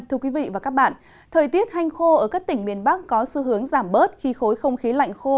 thời tiết hanh khô ở các tỉnh miền bắc có xu hướng giảm bớt khi khối không khí lạnh khô